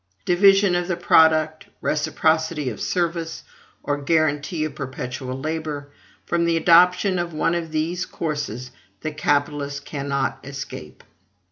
Division of the product, reciprocity of service, or guarantee of perpetual labor, from the adoption of one of these courses the capitalist cannot escape.